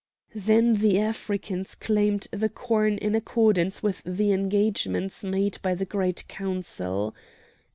Then the Africans claimed the corn in accordance with the engagements made by the Great Council.